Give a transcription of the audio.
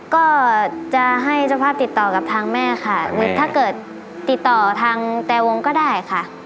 ก็จะให้เจ้าภาพติดต่อกับทางแม่ค่ะถ้าเกิดติดต่อทางแต่วงก็ได้ค่ะ